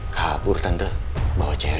kabur tante bawa jerry